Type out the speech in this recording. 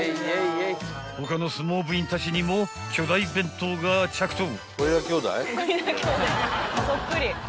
［他の相撲部員たちにも巨大弁当が着到！］